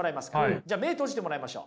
じゃあ目閉じてもらいましょう。